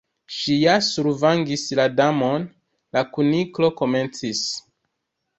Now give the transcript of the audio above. "Ŝi ja survangis la Damon—" la Kuniklo komencis.